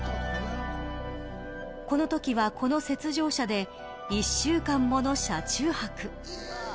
このときはこの雪上車で１週間もの車中泊。